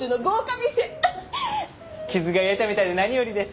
傷が癒えたみたいで何よりです。